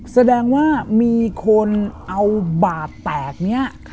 แสดงว่ามีคนเอาบาดแตกนี้